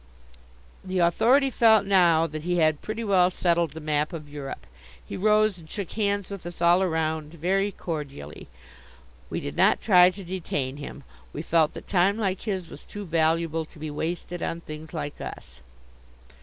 The Authority felt now that he had pretty well settled the map of Europe. He rose and shook hands with us all around very cordially. We did not try to detain him. We felt that time like his was too valuable to be wasted on things like us.